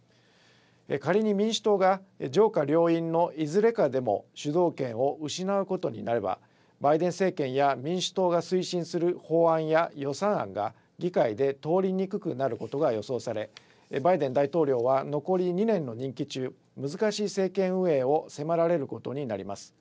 仮に民主党が上下両院のいずれかでも主導権を失うことになればバイデン政権や民主党が推進する法案や予算案が議会で通りにくくなることが予想されバイデン大統領は残り２年の任期中、難しい政権運営を迫られることになります。